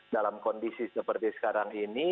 dalam kondisi seperti sekarang ini